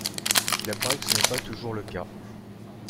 Il apparaît que ce n'est pas toujours le cas.